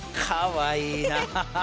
かわいいな。